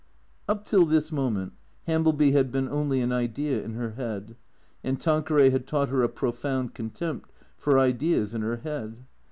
Up till this moment Hambleby had been only an idea in her head, and Tanqueray had taught her a profound contempt for ideas in her head.